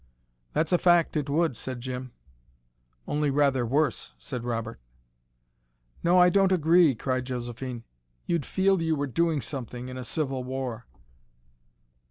"That's a fact, it would," said Jim. "Only rather worse," said Robert. "No, I don't agree," cried Josephine. "You'd feel you were doing something, in a civil war."